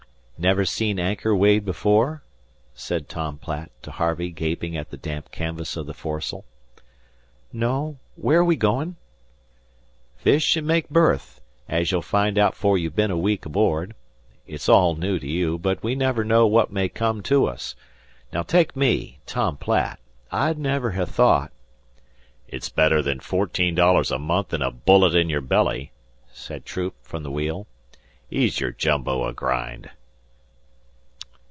"Never seen anchor weighed before?" said Tom Platt, to Harvey gaping at the damp canvas of the foresail. "No. Where are we going?" "Fish and make berth, as you'll find out 'fore you've been a week aboard. It's all new to you, but we never know what may come to us. Now, take me Tom Platt I'd never ha' thought " "It's better than fourteen dollars a month an' a bullet in your belly," said Troop, from the wheel. "Ease your jumbo a grind."